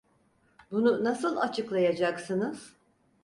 Bunu nasıl açıklayacaksınız?